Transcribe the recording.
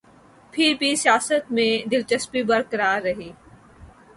پھر بھی سیاست میں دلچسپی برقرار رہی۔